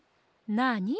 なに？